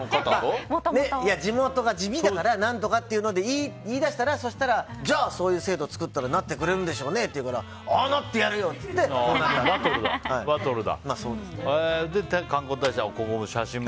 地元が地味だから何とかっていうので言い出したらそしたらそういう制度を作ったらなってくれるんでしょうねって言うからバトルだ。